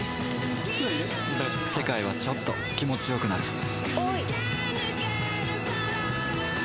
世界はちょっと気持ちよくなる